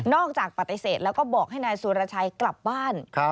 จากปฏิเสธแล้วก็บอกให้นายสุรชัยกลับบ้าน